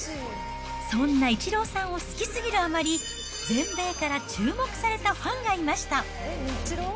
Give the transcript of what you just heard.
そんなイチローさんを好きすぎるあまり、全米から注目されたファンがいました。